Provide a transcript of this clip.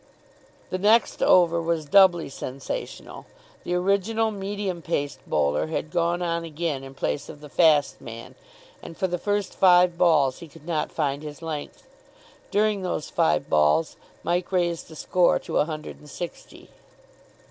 The next over was doubly sensational. The original medium paced bowler had gone on again in place of the fast man, and for the first five balls he could not find his length. During those five balls Mike raised the score to a hundred and sixty.